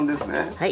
はい。